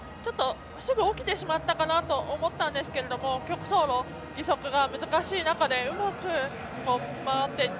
すぐ起きてしまったかなと思ったんですが曲走路、義足は難しい中でうまく回っていった。